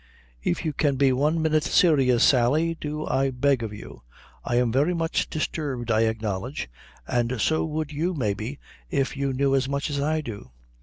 "If you can be one minute serious, Sally, do, I beg of you. I am very much disturbed, I acknowledge, an' so would you, mabe, if you knew as much as I do."